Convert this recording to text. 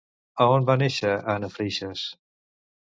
A on va néixer Anna Freixas?